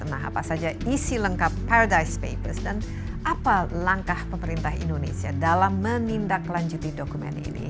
nah apa saja isi lengkap paradise papers dan apa langkah pemerintah indonesia dalam menindaklanjuti dokumen ini